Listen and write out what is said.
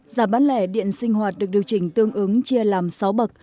giá bán lẻ điện sinh hoạt được điều chỉnh tương ứng chia làm sáu bậc